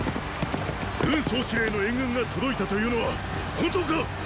軍総司令の援軍が届いたというのは本当かっ